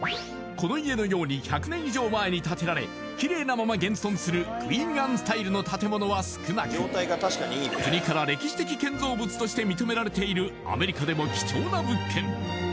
この家のように１００年以上前に建てられきれいなまま現存するクイーンアンスタイルの建物は少なく国から歴史的建造物として認められているアメリカでも貴重な物件